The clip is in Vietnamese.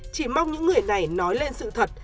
chỉ mong những người này nói lên sự thật